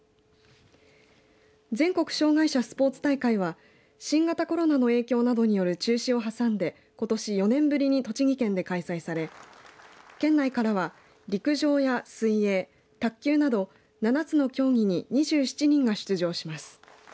全国障害者スポーツ大会は新型コロナの影響などによる中止を挟んでことし４年ぶりに栃木県で開催され県内からは陸上や水泳卓球など７つの競技に２７人が出場します。